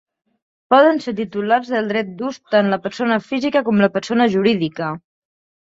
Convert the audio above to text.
Poden ser titulars del dret d'ús tant la persona física com la persona jurídica.